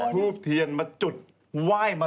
ถูกเทียนมาจุดไหว้มะละก็